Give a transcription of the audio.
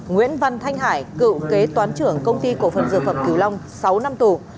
nguyễn văn thanh hải cựu kế toán trưởng công ty cổ phần dược phẩm cửu long sáu năm tù